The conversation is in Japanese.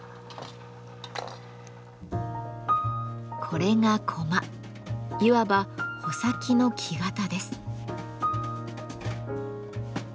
これがいわば穂先の木型です。